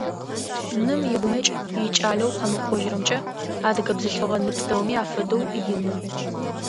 Ным игумэкӏ, икӏалэу къэмыкӏожьырэмкэ,ӏ адыгэ бзылъфыгъэ ны пстэуми афэдэу ины.